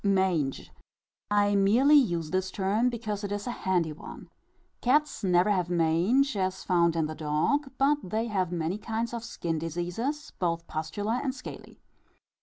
Mange. I merely use this term because it is a handy one. Cats never have mange as found in the dog; but they have many kinds of skin diseases, both pustular and scaly.